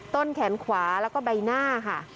ต้นแขนขวาแล้วก็ใบหน้าค่ะ